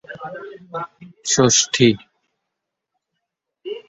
হোটেলটিতে আরো আছে স্পা এবং ব্যায়ামের সুব্যবস্থা।